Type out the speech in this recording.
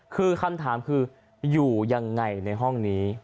คือคำถามคืออยู่ยังไงในห้องนี้